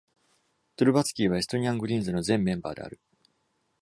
Trubetsky はエストニアン・グリーンズの前メンバーである。